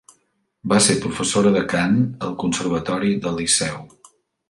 Va ser professora de cant al Conservatori del Liceu.